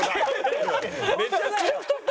めちゃくちゃ太った。